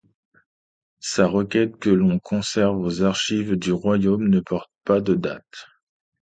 Sa requête, que l'on conserve aux Archives du royaume, ne porte pas de date.